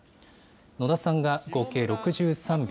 野田さんが合計６３票。